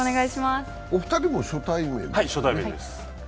お二人も初対面ですよね。